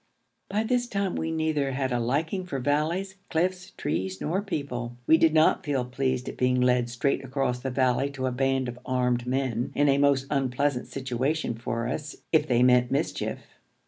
By this time we neither had a liking for valleys, cliffs, trees, nor people. We did not feel pleased at being led straight across the valley to a band of armed men, in a most unpleasant situation for us if they meant mischief.